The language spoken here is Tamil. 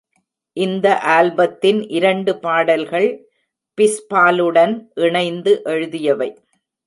இந்த ஆல்பத்தின் இரண்டு பாடல்கள் பிஸ்பாலுடன் இணைந்து எழுதியவை.